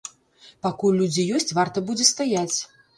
Пакуль людзі ёсць, варта будзе стаяць.